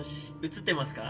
映ってますか？